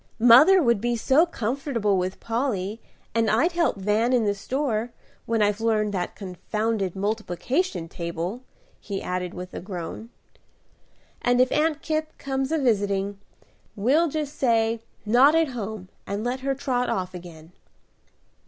"Mother would be so comfortable with Polly, and I'd help Van in the store, when I've learned that confounded multiplication table," he added with a groan; "and if Aunt Kipp comes a visiting, we'll just say 'Not at home,' and let her trot off again."